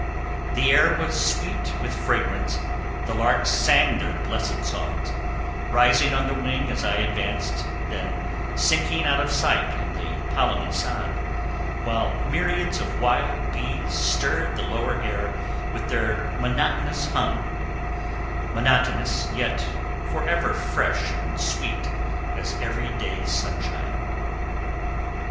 The air was sweet with fragrance, the larks sang their blessed songs, rising on the wing as I advanced, then sinking out of sight in the polleny sod, while myriads of wild bees stirred the lower air with their monotonous hum—monotonous, yet forever fresh and sweet as every day sunshine.